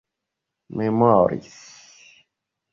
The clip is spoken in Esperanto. memoris